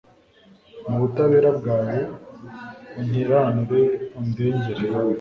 Mu butabera bwawe unkiranure undengere